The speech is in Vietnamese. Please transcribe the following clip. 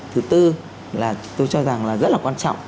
thứ tư là tôi cho rằng là rất là quan trọng